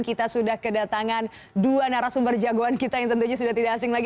kita sudah kedatangan dua narasumber jagoan kita yang tentunya sudah tidak asing lagi